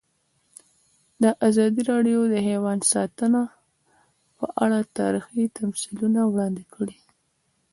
ازادي راډیو د حیوان ساتنه په اړه تاریخي تمثیلونه وړاندې کړي.